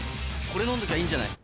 「これ飲んどきゃいいんじゃない？」